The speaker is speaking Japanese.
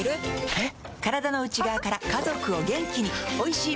えっ？